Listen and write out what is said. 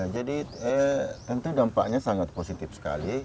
jadi tentu dampaknya sangat positif sekali